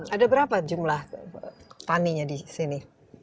ada berapa jumlah taninya disini